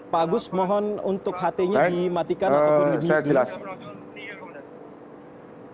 pak agus mohon untuk htnya dimatikan ataupun di mute dulu